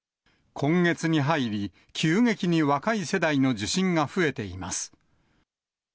今月に入り、急激に若い世代の受診が増えています。